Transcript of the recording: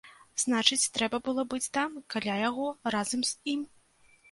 Значыць, трэба было быць там, каля яго, разам з ім.